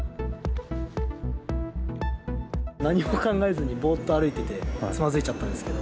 何も考えずに、ぼーっと歩いてて、つまずいちゃったんですけど。